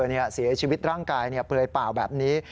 เสียชีวิตร่างกายเปลือยเปล่าแบบนี้